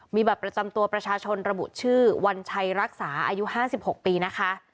มีบัตรประจำตัวประชาชนระบุชื่อวันชัยรักษาอายุ๕๖ปีนะคะ